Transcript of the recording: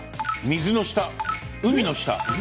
水の下、海の下。